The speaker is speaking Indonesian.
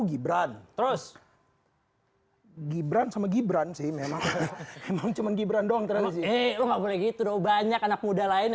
gibran terus hai gibran sama gibran sih memang cuman gibran dong terlalu banyak anak muda lain